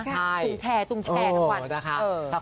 ตุ้งแชทุกวัน